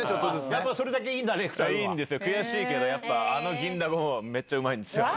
やっぱそれだけいいんだ、いいんですよ、悔しいけど、あの銀だこもめっちゃうまいですよ。